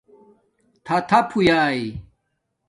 تھاتھیپ ہوݵا